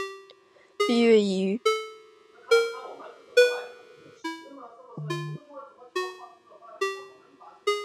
毕业于北京大学高级管理人员工商管理专业。